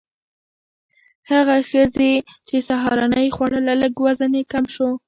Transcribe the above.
هغه ښځې چې سهارنۍ یې خوړله، لږ وزن یې کم شو.